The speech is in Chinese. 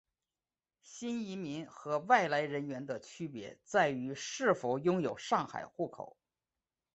新移民和外来人员的区别在于是否拥有上海户口。